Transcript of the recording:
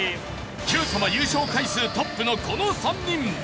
『Ｑさま！！』優勝回数トップのこの３人。